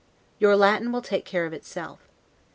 Your Latin will take care of itself.